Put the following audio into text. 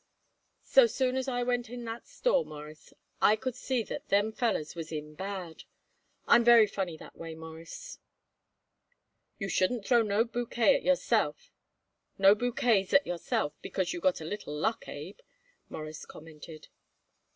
So soon as I went in that store, Mawruss, I could see that them fellers was in bad. I'm very funny that way, Mawruss." "You shouldn't throw no bouquets at yourself because you got a little luck, Abe," Morris commented.